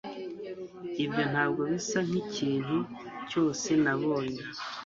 Ibyo ntabwo bisa nkikintu cyose nabonye